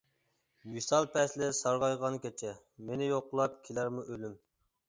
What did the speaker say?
ۋىسال پەسلى سارغايغان كېچە، مېنى يوقلاپ كېلەرمۇ ئۆلۈم؟ !